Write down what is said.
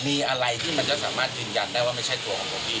มีอะไรที่มันจะสามารถยืนยันได้ว่าไม่ใช่ตัวของผมเอง